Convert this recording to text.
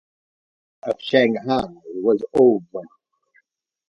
The Battle of Shanghai was over.